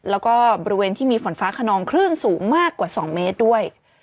แล้วก็บริเวณที่มีฝนฟ้าขนองคลื่นสูงมากกว่า๒เมตรด้วย